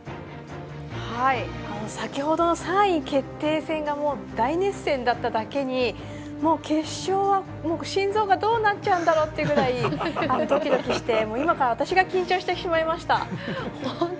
先ほど３位決定戦が大熱戦だっただけに、決勝は心臓がどうなっちゃうんだろうってくらいドキドキして今から私が緊張してしまいました。